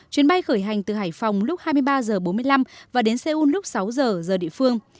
chuyến bay khởi hành từ hải phòng lúc hai mươi ba h bốn mươi năm và đến seoul lúc sáu giờ giờ địa phương